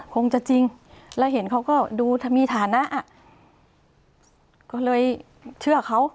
คงจะจริงแล้วเห็นเขาก็ดูมีฐานะก็เลยเชื่อเขา